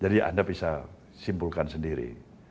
jadi anda bisa simpulkan sendiri